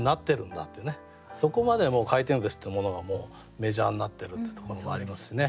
そこまでもう回転寿司っていうものがメジャーになってるってところもありますしね。